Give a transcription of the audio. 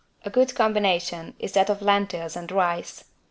A good combination is that of lentils and rice.